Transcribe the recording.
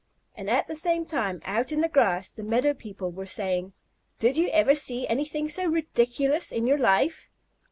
And, at the same time, out in the grass, the meadow people were saying, "Did you ever see anything so ridiculous in your life?"